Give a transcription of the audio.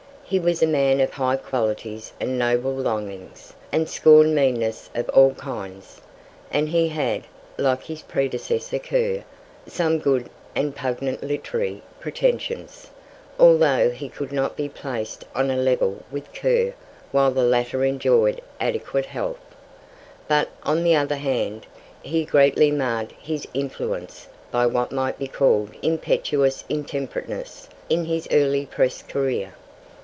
He was a man of high qualities and noble longings, and scorned meanness of all kinds; and he had, like his predecessor Kerr, some good and pungent literary pretensions, although he could not be placed on a level with Kerr while the latter enjoyed adequate health. But, on the other hand, he greatly marred his influence by what might be called impetuous intemperateness in his early press career.